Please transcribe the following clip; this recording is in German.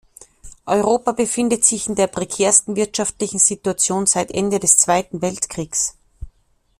Europa befindet sich in der prekärsten wirtschaftlichen Situation seit Ende des Zweiten Weltkriegs.